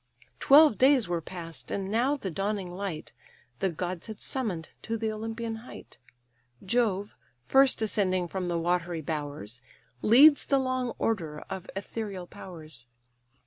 Twelve days were past, and now the dawning light The gods had summon'd to the Olympian height: Jove, first ascending from the watery bowers, Leads the long order of ethereal powers.